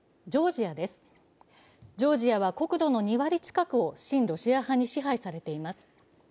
ジョージアは国土の２割近くを親ロシア派に支配されています。